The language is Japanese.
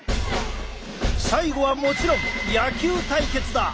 最後はもちろん野球対決だ！